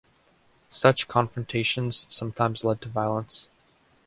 Such confrontations sometimes led to violence.